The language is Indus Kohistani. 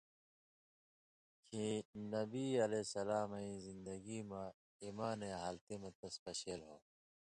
کیں نبیؑ ایں زندگی مہ ایمانَیں حالتی مہ تَس پشیل ہو